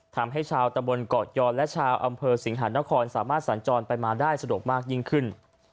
ทำให้ชาวตำบลเกาะยอนและชาวอำเภอสิงหานครสามารถสัญจรไปมาได้สะดวกมากยิ่งขึ้น